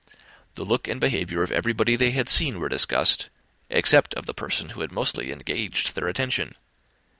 The looks and behaviour of everybody they had seen were discussed, except of the person who had mostly engaged their attention.